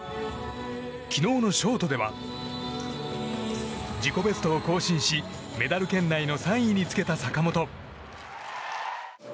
昨日のショートでは自己ベストを更新しメダル圏内の３位につけた坂本。